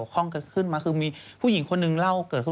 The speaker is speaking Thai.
แล้วก็มีลุงกินน้ำเกิดขึ้น